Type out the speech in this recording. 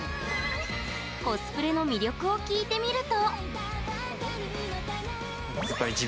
コスプレの魅力を聞いてみると。